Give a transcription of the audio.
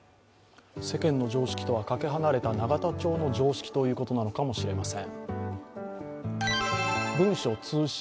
世間の常識とはかけ離れた永田町の常識ということなのかもしれません。